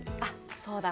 そうだ。